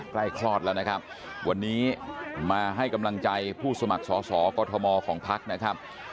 คลอดแล้วนะครับวันนี้มาให้กำลังใจผู้สมัครสอสอกอทมของพักนะครับ